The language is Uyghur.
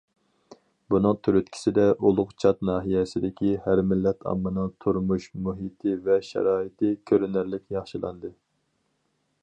بۇنىڭ تۈرتكىسىدە، ئۇلۇغچات ناھىيەسىدىكى ھەر مىللەت ئاممىنىڭ تۇرمۇش مۇھىتى ۋە شارائىتى كۆرۈنەرلىك ياخشىلاندى.